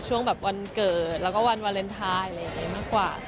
ช่วงแบบวันเกิดแล้วก็วันวาเลนไทยอะไรอย่างนี้มากกว่า